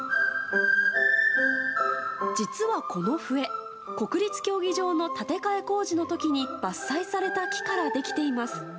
実はこの笛、国立競技場の建て替え工事の時に伐採された木からできています。